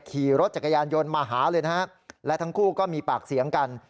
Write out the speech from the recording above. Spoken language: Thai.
ขี่รถจักรยานยนต์มาหาเลยนะฮะและทั้งคู่ก็มีปากเสียงกัน